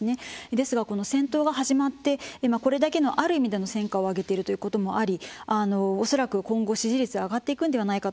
ですが戦闘が始まってこれだけのある意味での戦果を上げているということもあり恐らく今後支持率は上がっていくのではないかと考えられます。